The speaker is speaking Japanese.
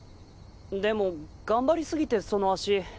でも頑張り過ぎてその足。